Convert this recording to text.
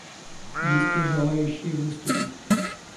Есть ли желающие выступить?